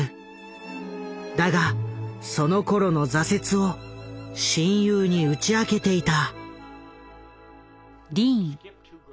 だがそのころの挫折を親友に打ち明けていた。